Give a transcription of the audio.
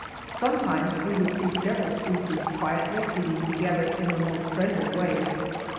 Sometimes we would see several species quietly feeding together in the most friendly way.